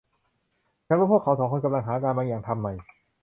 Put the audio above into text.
ฉันว่าพวกเขาสองคนกำลังหางานบางอย่างทำใหม่